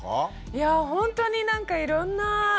いやぁほんとになんかいろんな○